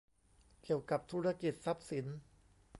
เกี่ยวกับธุรกิจทรัพย์สิน